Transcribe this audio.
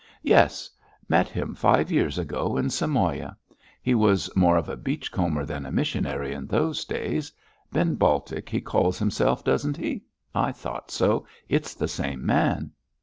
'Yes. Met him five years ago in Samoa; he was more of a beach comber than a missionary in those days. Ben Baltic he calls himself, doesn't he? I thought so! It's the same man.'